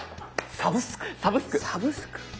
サブスク。